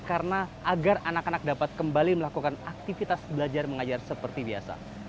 karena agar anak anak dapat kembali melakukan aktivitas belajar mengajar seperti biasa